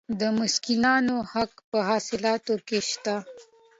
د مسکینانو حق په حاصلاتو کې شته.